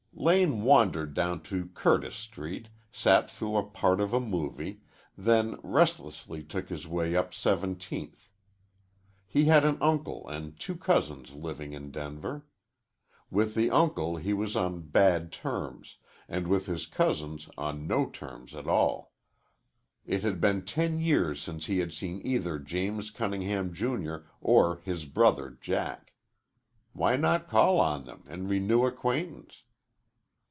Lane wandered down to Curtis Street, sat through a part of a movie, then restlessly took his way up Seventeenth. He had an uncle and two cousins living in Denver. With the uncle he was on bad terms, and with his cousins on no terms at all. It had been ten years since he had seen either James Cunningham, Jr., or his brother Jack. Why not call on them and renew acquaintance?